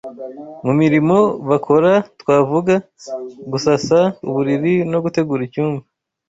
Mu mirimo bakora twavuga: gusasa uburiri no gutegura icyumba